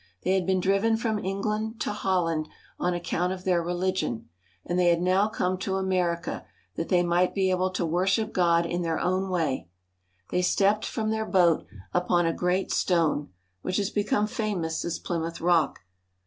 They had^ been driven from Eng land to Holland on account of their religion, and they had now come to America that they might be able to worship God in their own way. They stepped from their boat upon a great stone, which has become famous as Plymouth Rock.